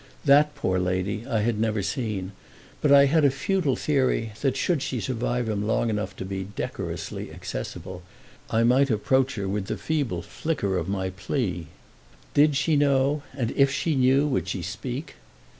That poor lady I had never seen, but I had had a futile theory that, should she survive him long enough to be decorously accessible, I might approach her with the feeble flicker of my plea. Did she know and if she knew would she speak?